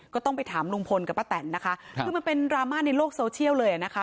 ก็ต้องไปถามลุงพลกับป้าแตนนะคะคือมันเป็นดราม่าในโลกโซเชียลเลยนะคะ